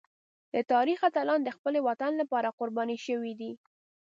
د تاریخ اتلان د خپل وطن لپاره قربان شوي دي.